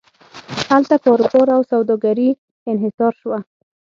هلته کاروبار او سوداګري انحصار شوه.